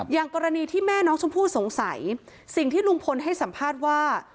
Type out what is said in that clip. อย่างกรณีที่แม่น้องชมพู่สงสัยสิ่งที่ลุงพลให้สัมภาษณ์ว่า